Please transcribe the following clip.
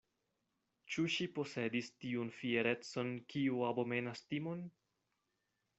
Ĉu ŝi posedis tiun fierecon, kiu abomenas timon?